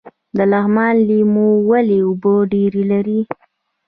د لغمان لیمو ولې اوبه ډیرې لري؟